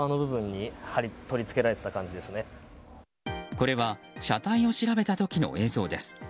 これは車体を調べた時の映像です。